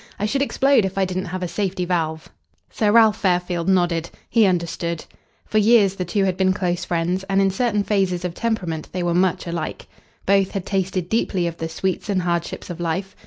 I should explode if I didn't have a safety valve." Sir Ralph Fairfield nodded. He understood. For years the two had been close friends, and in certain phases of temperament they were much alike. Both had tasted deeply of the sweets and hardships of life.